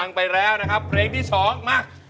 ฟังไปแล้วนะครับเล่นที่สองมา